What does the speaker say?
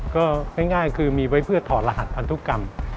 ก็ง่ายคือมีไว้เพื่อถอดรหัสพันธุกรรม